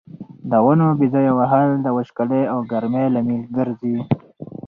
د ونو بې ځایه وهل د وچکالۍ او ګرمۍ لامل ګرځي.